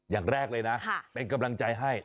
อย่างแรกเลยนะเป็นกำลังใจให้